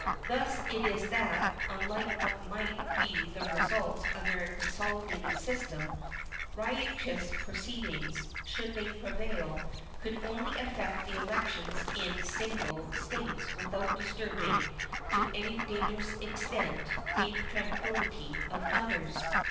Thus it is that, unlike what might be the results under a consolidated system, riotous proceedings, should they prevail, could only affect the elections in single States without disturbing to any dangerous extent the tranquillity of others.